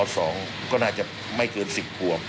สองก็น่าจะไม่เกิน๑๐ขวบ